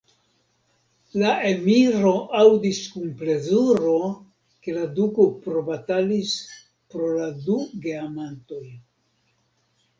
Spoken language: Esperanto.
La emiro aŭdis kun plezuro, ke la duko probatalis pro la du geamantoj.